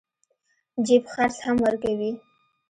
جيب خرڅ هم ورکوي.